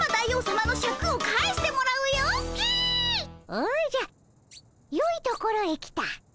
おじゃよいところへ来た。